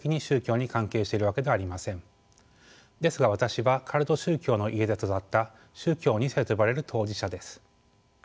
ですが私はカルト宗教の家で育った宗教２世と呼ばれる当事者です。